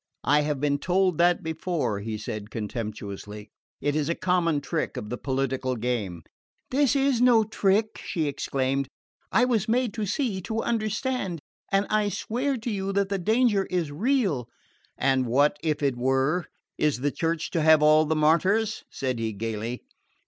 "I have been told that before," he said contemptuously. "It is a common trick of the political game." "This is no trick," she exclaimed. "I was made to see to understand and I swear to you that the danger is real." "And what if it were? Is the Church to have all the martyrs?" said he gaily.